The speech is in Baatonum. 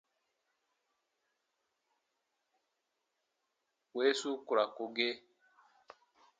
Weesu ku ra ko gee.